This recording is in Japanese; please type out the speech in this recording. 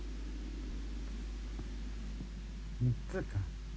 ３つか？